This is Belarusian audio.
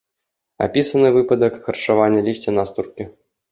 Апісаны выпадак харчавання лісця настуркі.